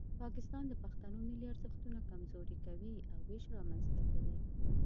پاکستان د پښتنو ملي ارزښتونه کمزوري کوي او ویش رامنځته کوي.